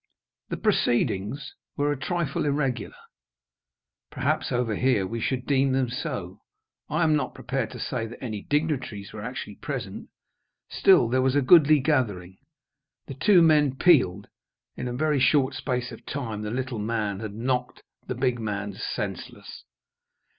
The proceedings were a trifle irregular; perhaps over here we should deem them so. I am not prepared to say that any dignitaries were actually present. Still there was a goodly gathering. The two men "peeled." In a very short space of time the little man had knocked the big man senseless.